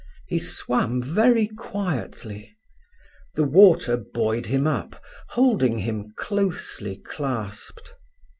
He swam very quietly. The water buoyed him up, holding him closely clasped.